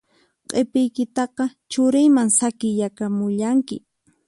Q'ipiykitaqa churiyman saqiyakamullanki